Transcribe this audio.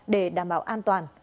để đảm bảo an toàn